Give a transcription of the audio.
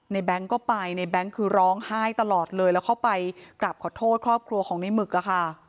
ในแบงคก็ไปแบงคคือร้องไห้ตลอดเลยแล้วเขาไปกรอบขอโทษครอบครัวของไนมึก